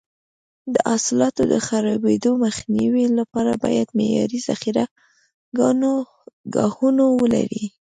د حاصلاتو د خرابېدو مخنیوي لپاره باید معیاري ذخیره ګاهونه ولري.